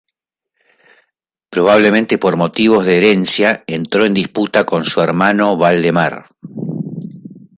Probablemente por motivos de herencia entró en disputa con su hermano Valdemar.